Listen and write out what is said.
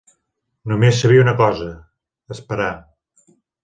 No més sabia una cosa: esperar